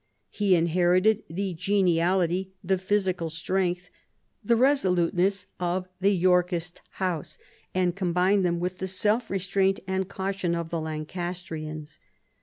He inherited the geniality, the physical strength, the resoluteness of the Torkist house, and combined them with the self restraint and caution of the Lancastrians.